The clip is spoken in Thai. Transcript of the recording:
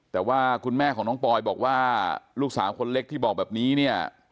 แต่ว่าคุณแม่ของน้องปอยบอกว่าลูกสาวคนเล็กที่บอกแบบนี้เนี่ย